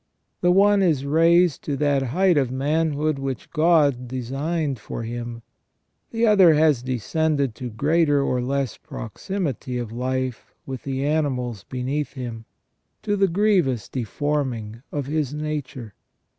The one is raised to that height of manhood which God designed for him, the other has descended to greater or less proximity of life with the animals beneath him, to the grievous deforming of his nature.